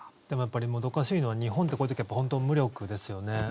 でも、やっぱりもどかしいのは日本ってこういう時本当、無力ですよね。